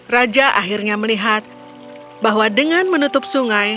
raja akhirnya melihat bahwa dengan menutup sungai